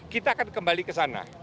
kita akan kembali ke sana